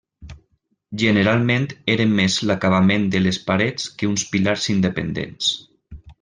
Generalment eren més l'acabament de les parets que uns pilars independents.